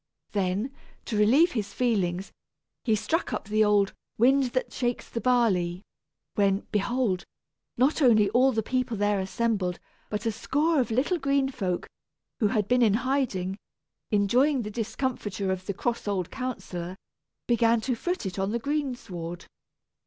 Then, to relieve his feelings, he struck up the old "Wind that Shakes the Barley," when, behold, not only all the people there assembled, but a score of little green folk, who had been in hiding, enjoying the discomfiture of the cross old counsellor, began to foot it on the greensward.